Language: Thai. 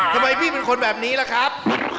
ทำไมพี่เป็นคนแบบนี้ล่ะครับ